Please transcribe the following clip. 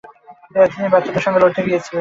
তিনি এতদিনে ব্যর্থতার সাথে লড়তে শিখে গিয়েছিলেন।